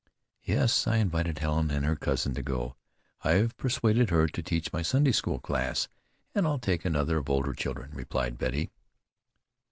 "Yes, I invited Helen and her cousin to go. I've persuaded her to teach my Sunday school class, and I'll take another of older children," replied Betty.